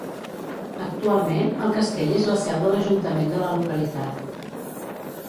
Actualment el castell és la seu de l'ajuntament de la localitat.